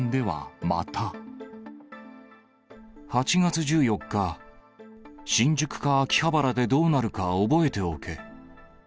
８月１４日、新宿か秋葉原でどーなるか覚えておけ。